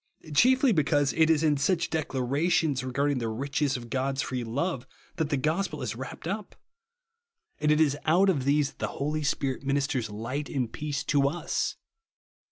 Chiefly because it is in such declarations regarding the riches of God's free love that the gospel is wrapped up ; and it is out of 84) THE WORD OF THE these that the Holy Spirit ministers light and peace to us.